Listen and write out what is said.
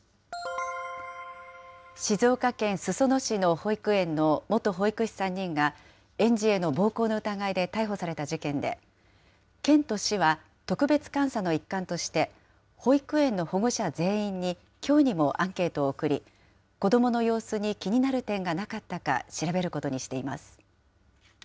静岡県裾野市の保育園の元保育士３人が、園児への暴行の疑いで逮捕された事件で、県と市は特別監査の一環として、保育園の保護者全員に、きょうにもアンケートを送り、子どもの様子に気になる点がなかったか調べることにしています。